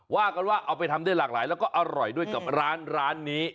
ว่ากันว่าเอาไปทำได้หลากหลายแล้วก็อร่อยด้วยกับร้านนี้